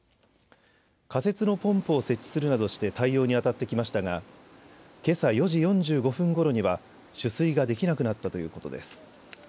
仮設のポンプを設置するなどして対応にあたってきましたがけさ４時４５分ごろには、取水ができなくなったということです。